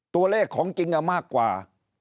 ตัวเลขของจริงมากกว่า